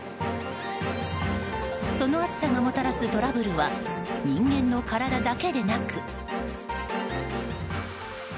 その暑さがもたらすトラブルは人間の体だけでなく。